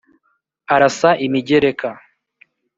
Arasa imigereka